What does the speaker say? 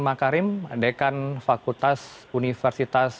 makarim dekan fakultas universitas